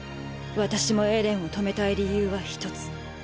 私もエレンを止めたい理由は一つ。